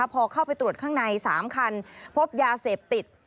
พอเข้าไปตรวจข้างใน๓คันพบยาเสพติด